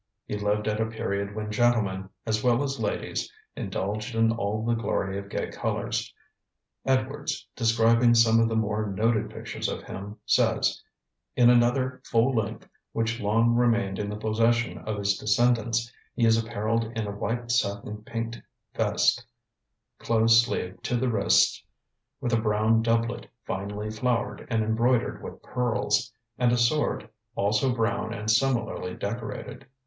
He lived at a period when gentlemen as well as ladies indulged in all the glory of gay colours. Edwards, describing some of the more noted pictures of him, says: 'In another full length, which long remained in the possession of his descendants, he is apparelled in a white satin pinked vest, close sleeved to the wrists with a brown doublet finely flowered and embroidered with pearls, and a sword, also brown and similarly decorated.